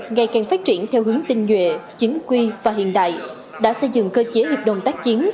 ngày càng phát triển theo hướng tinh nhuệ chính quy và hiện đại đã xây dựng cơ chế hiệp đồng tác chiến